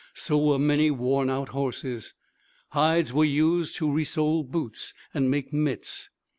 So were many worn out horses. Hides were used to resole boots and make mitts.